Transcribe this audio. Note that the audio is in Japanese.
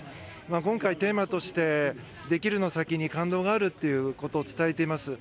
今回、テーマとしてできるの先に感動があるということを伝えています。